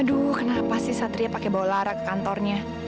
aduh kenapa sih satria pake bawa lara ke kantornya